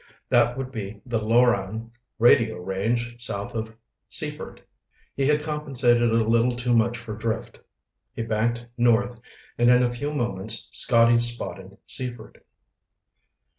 That would be the Loran radio range south of Seaford. He had compensated a little too much for drift. He banked north and in a few moments Scotty spotted Seaford.